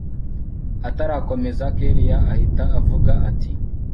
atarakomeza kellia ahita avuga ati